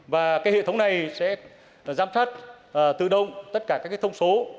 và cái hệ thống này sẽ giám sát tự động tất cả các thông số